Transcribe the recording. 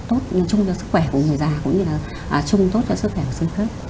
tốt như chung cho sức khỏe của người già cũng như là chung tốt cho sức khỏe của sức khỏe